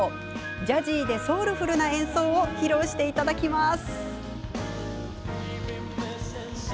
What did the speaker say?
ジャジーでソウルフルな演奏を披露していただきます。